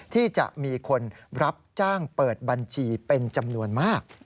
ที่จะมีคนรับจ้างเปิดบัญชีเป็นจำนวนมาก